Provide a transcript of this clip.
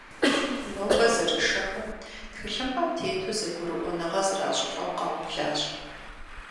Нобэ зэрышэхэм тхылъымпӏэм тету зэгурыӏуэныгъэ зэращӏылӏэу къаублащ.